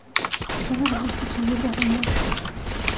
Son arbustos o hierbas leñosas.